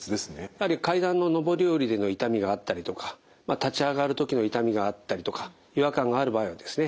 やはり階段の上り下りでの痛みがあったりとか立ち上がる時の痛みがあったりとか違和感がある場合はですね